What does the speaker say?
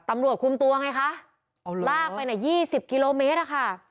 ตำรวจคุมตัวไงคะลากไปน่ะยี่สิบกิโลเมตรอะค่ะ